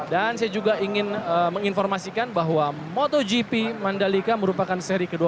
dan saya juga ingin menginformasikan bahwa motogp mandalika merupakan seri kedua